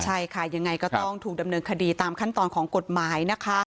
ใช่ค่ะยังไงก็ต้องถูกดำเนินคดีตามขั้นตอนของกฎหมายนะคะ